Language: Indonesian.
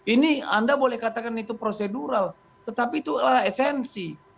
ini anda boleh katakan itu prosedural tetapi itulah esensi